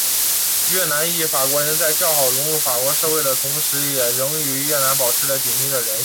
越南裔法国人在较好的融入法国社会的同时也仍与越南保持着紧密的联系。